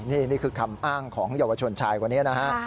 นี่คือคำอ้างของเยาวชนชายคนนี้นะฮะ